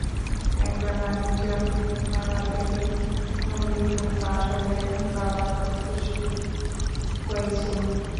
একবার বাণিজ্য মেলা থেকে লুঙ্গি কিনে পাঠালে বাবা খুব খুশি হয়েছিলেন।